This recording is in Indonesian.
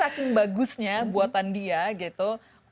saking bagusnya buatan dia gitu